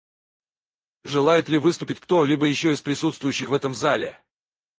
Желает ли выступить кто-либо еще из присутствующих в этом зале?